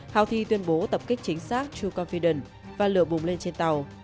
houthi tuyên bố tập kích chính xác true confidence và lựa bùng lên trên tàu